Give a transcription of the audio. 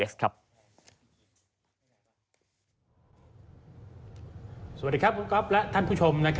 สวัสดีครับคุณก๊อฟและท่านผู้ชม